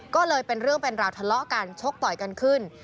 ก็เลยเป็นเรื่องเป็นราวทะเลาะกันชกต่อยกันขึ้น